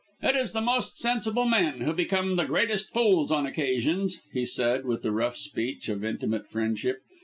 "It is the most sensible men who become the greatest fools on occasions," he said, with the rough speech of intimate friendship.